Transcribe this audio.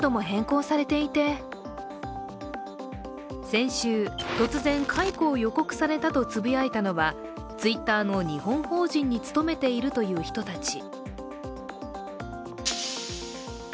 先週、突然解雇を予告されたとつぶやいたのはツイッターの日本法人に勤めているという人たち。